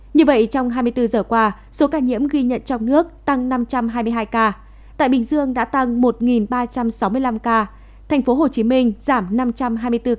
như vậy trong hai mươi bốn giờ qua số ca nhiễm ghi nhận trong nước tăng năm trăm hai mươi hai ca tại bình dương đã tăng một ba trăm sáu mươi năm ca tp hcm giảm năm trăm hai mươi bốn ca